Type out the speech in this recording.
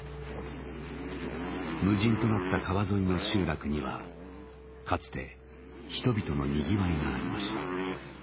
無人となった川沿いの集落にはかつて人々のにぎわいがありました。